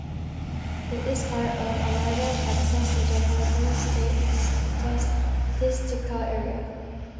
It is part of the Amarillo, Texas Metropolitan Statistical Area.